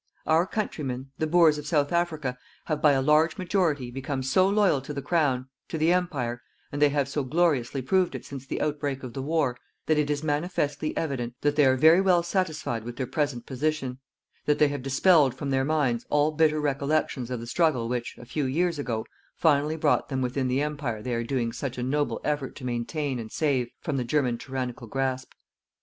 Our countrymen, the Boers of South Africa, have, by a large majority, become so loyal to the Crown, to the Empire, and they have so gloriously proved it since the outbreak of the war that it is manifestly evident that they are very well satisfied with their present position, that they have dispelled from their minds all bitter recollections of the struggle which, a few years ago, finally brought them within the Empire they are doing such a noble effort to maintain and save from the German tyrannical grasp.